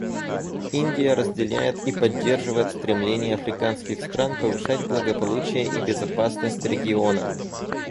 Индия разделяет и поддерживает стремление африканских стран повышать благополучие и безопасность региона.